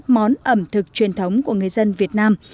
món ẩm thực truyền thống của người dân việt nam